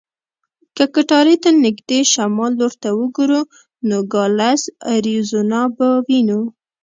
که کټارې ته نږدې شمال لور ته وګورو، نوګالس اریزونا به وینو.